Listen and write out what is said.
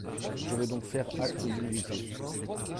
Je veux donc faire acte d’humilité